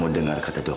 buatnya tidak ada inyak